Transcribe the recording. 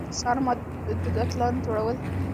د اتلانو جوړول د مورخينو پخوانۍ دنده ده.